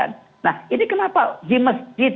nah ini kenapa di masjid